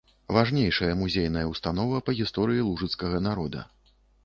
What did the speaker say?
Важнейшая музейная ўстанова па гісторыі лужыцкага народа.